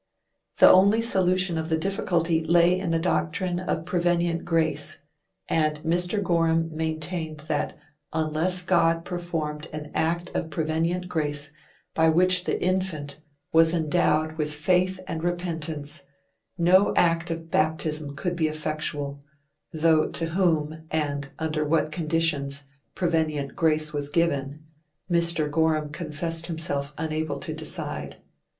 The only solution of the difficulty lay in the doctrine of prevenient grace; and Mr. Gorham maintained that unless God performed an act of prevenient grace by which the infant was endowed with faith and repentance, no act of baptism could be effectual; though to whom, and under what conditions, prevenient grace was given, Mr. Gorham confessed himself unable to decide.